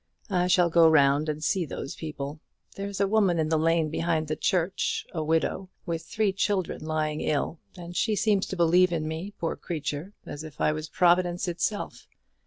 I shall go round and see those people. There's a woman in the lane behind the church, a widow, with three children lying ill; and she seems to believe in me, poor creature, as if I was Providence itself.